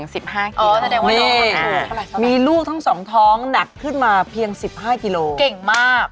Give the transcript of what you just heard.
ก็แสดงว่ามีลูกทั้งสองท้องหนักขึ้นมาเพียง๑๕กิโลเก่งมาก